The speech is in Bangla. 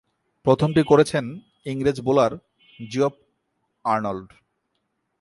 প্রথমটি করেছেন ইংরেজ বোলার জিওফ আর্নল্ড।